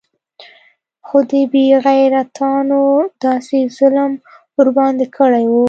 خو دې بې غيرتانو داسې ظلم ورباندې کړى و.